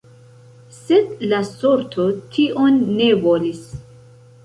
Sed la sorto tion ne volis.